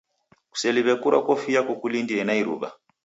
Kuseliw'e kurwa kofia kukulindie na iruw'a.